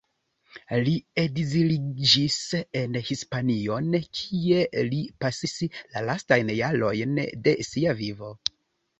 Li ekziliĝis en Hispanion, kie li pasigis la lastajn jarojn de sia vivo.